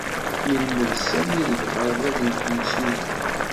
Yelmed Sami deg uɣerbaz n temsulta